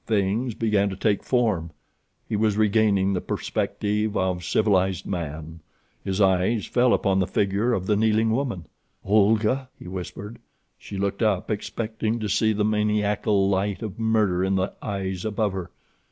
Things began to take form—he was regaining the perspective of civilized man. His eyes fell upon the figure of the kneeling woman. "Olga," he whispered. She looked up, expecting to see the maniacal light of murder in the eyes above her.